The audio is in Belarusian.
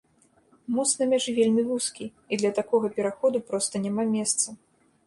Мост на мяжы вельмі вузкі і для такога пераходу проста няма месца.